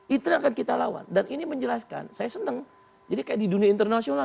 itu yang akan kita lawan dan ini menjelaskan saya senang jadi kayak di dunia internasional